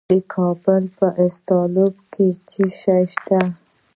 د کابل په استالف کې څه شی شته؟